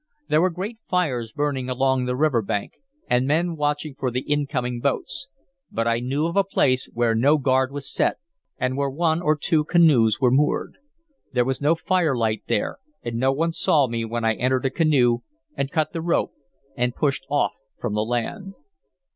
There were great fires burning along the river bank, and men watching for the incoming boats; but I knew of a place where no guard was set, and where one or two canoes were moored. There was no firelight there, and no one saw me when I entered a canoe and cut the rope and pushed off from the land.